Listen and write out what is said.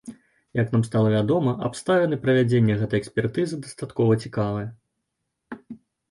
Як нам стала вядома, абставіны правядзення гэтай экспертызы дастаткова цікавыя.